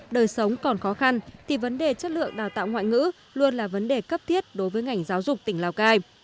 đời sống còn khó khăn thì vấn đề chất lượng đào tạo ngoại ngữ luôn là vấn đề cấp thiết đối với ngành giáo dục tỉnh lào cai